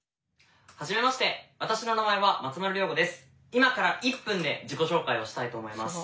今から１分で自己紹介をしたいと思います。